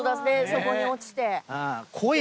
そこに落ちて。